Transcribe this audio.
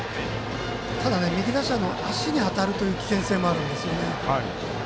右打者の足に当たる危険性もあるんですよね。